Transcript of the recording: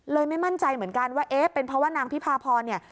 ไม่มั่นใจเหมือนกันว่าเอ๊ะเป็นเพราะว่านางพิพาพรเนี่ย